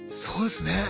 そうですね。